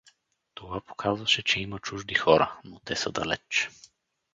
Това показваше, че има чужди хора, но те са далеч.